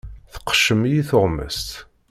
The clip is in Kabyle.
Tqeccem-iyi tuɣmest.